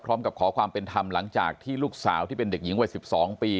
ขอความเป็นธรรมหลังจากที่ลูกสาวที่เป็นเด็กหญิงวัย๑๒ปี